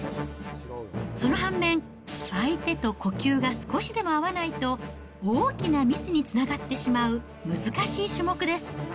その反面、相手と呼吸が少しでも合わないと、大きなミスにつながってしまう難しい種目です。